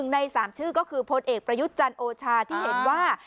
ใน๓ชื่อก็คือพลเอกประยุทธ์จันทร์โอชาที่เห็นว่า